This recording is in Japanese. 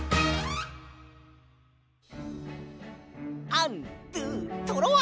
アンドゥトロワ！